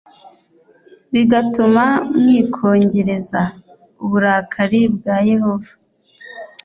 bigatuma mwikongereza uburakari bwa Yehova,